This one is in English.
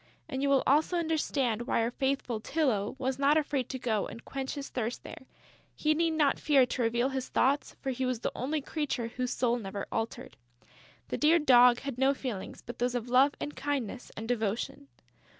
And you will also understand why our faithful Tylô was not afraid to go and quench his thirst there: he need not fear to reveal his thoughts, for he was the only creature whose soul never altered. The dear Dog had no feelings but those of love and kindness and devotion.